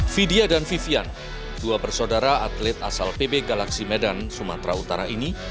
vidya dan vivian dua bersaudara atlet asal pb galaksi medan sumatera utara ini